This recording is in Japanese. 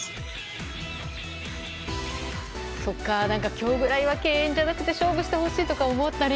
今日ぐらいは敬遠じゃなくて勝負してほしいとか思ったり。